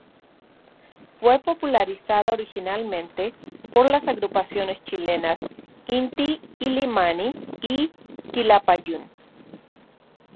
Fue popularizada originalmente por las agrupaciones chilenas Inti-Illimani y Quilapayún.